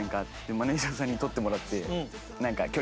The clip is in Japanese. マネジャーさんに撮ってもらって。